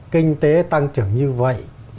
kinh tế tăng trưởng như vậy